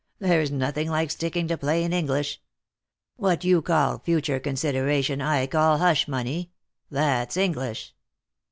There's nothing like sticking to plain English. What you call future consideration I call hush money. That's English.